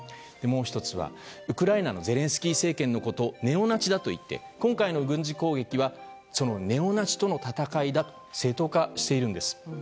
もう１つはウクライナのゼレンスキー政権のことをネオナチだと言って今回の軍事攻撃はそのネオナチとの戦いだと正当化しているんです。